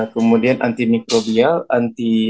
kemudian anti mikrobial anti